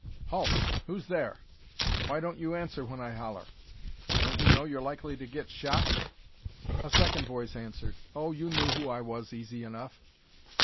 "Halt! Who's there? Why don't you answer when I holler? Don't you know you're likely to get shot?" A second voice answered, "Oh, you knew who I was easy enough."